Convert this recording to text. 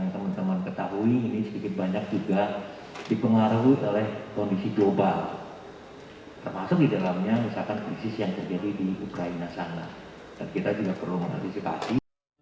kementerian esd menegaskan penyesuaian tarif tidak berlaku kepada rumah tangga golongan menengah ke bawah berdaya listrik sembilan ratus hingga dua dua ratus v ampere